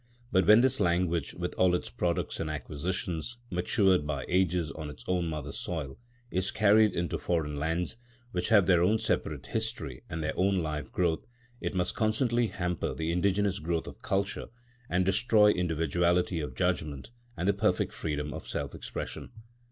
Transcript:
But when this language, with all its products and acquisitions, matured by ages on its own mother soil, is carried into foreign lands, which have their own separate history and their own life growth, it must constantly hamper the indigenous growth of culture and destroy individuality of judgement and the perfect freedom of self expression.